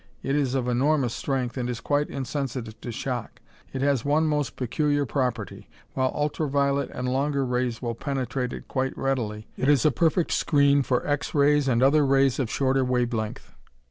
It is of enormous strength and is quite insensitive to shock. It has one most peculiar property. While ultra violet and longer rays will penetrate it quite readily, it is a perfect screen for X rays and other rays of shorter wave length.